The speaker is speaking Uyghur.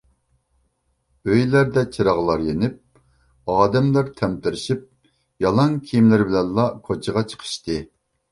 ئۆيلەردە چىراغلار يېنىپ ئادەملەر تەمتىرىشىپ يالاڭ كىيىملىرى بىلەنلا كوچىغا چىقىشتى.